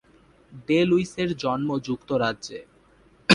ডে-লুইসের জন্ম যুক্তরাজ্যে।